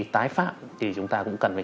tái phạm thì chúng ta cũng cần phải